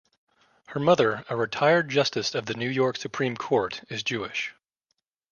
Her mother, a retired justice of the New York Supreme Court, is Jewish.